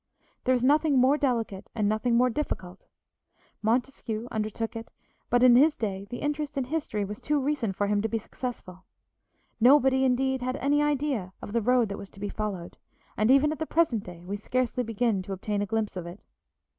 There is nothing more delicate and nothing more difficult. Montesquieu undertook it, but in his day the interest in history was too recent for him to be successful; nobody, indeed, had any idea of the road that was to be followed, and even at the present day we scarcely begin to obtain a glimpse of it.